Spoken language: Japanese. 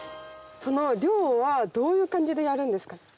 その漁はどういう感じでやるんですか？